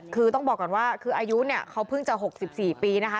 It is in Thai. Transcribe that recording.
คือต้องบอกก่อนว่าคืออายุเนี่ยเขาเพิ่งจะ๖๔ปีนะคะ